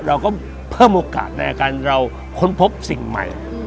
เราก็เพิ่มโอกาสในการเราค้นพบสิ่งใหม่